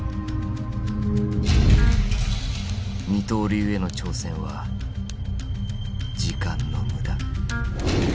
二刀流への挑戦は時間のむだ。